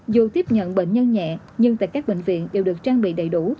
dù tiếp nhận bệnh nhân nhẹ nhưng tại các bệnh viện đều được trang bị đầy đủ